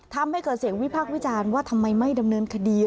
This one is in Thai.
ทำให้เกิดเสียงวิพากษ์วิจารณ์ว่าทำไมไม่ดำเนินคดี